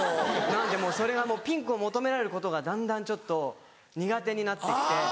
なのでそれがもうピンクを求められることがだんだんちょっと苦手になって来て。